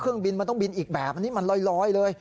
เครื่องบินมันต้องบินอีกแบบอันนี้มันลอยเลย